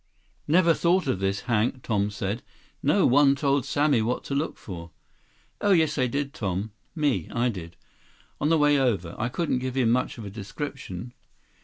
"Never thought of this, Hank," Tom said. "No one told Sammy what to look for." "Oh, yes, they did, Tom. Me. I did. On the way over. I couldn't give him much of a description."